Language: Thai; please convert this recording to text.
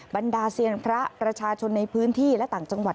บรรดาเซียนพระประชาชนในพื้นที่และต่างจังหวัด